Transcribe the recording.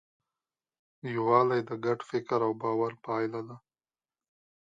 یووالی د ګډ فکر او باور پایله ده.